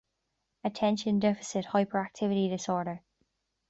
Attention deficit hyperactivity disorder.